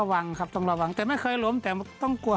หมุนก่อนนะพี่ชัยนะ